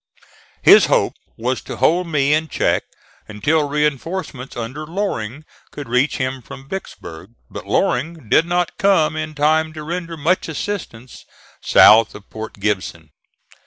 His hope was to hold me in check until reinforcements under Loring could reach him from Vicksburg; but Loring did not come in time to render much assistance south of Port Gibson.